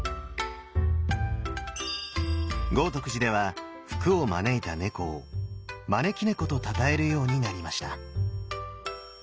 豪徳寺では福を招いた猫を「招福猫児」とたたえるようになりました。